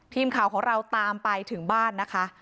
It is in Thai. ทีมข่าวของเราตามไปถึงบ้านนะคะ